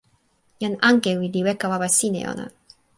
jan Ankewi li weka wawa sin e ona.